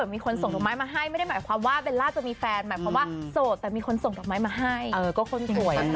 ไม่ต้องซื้อให้ตัวเองหรอกเดี๋ยวก็มีคนซื้อให้นะบ้าง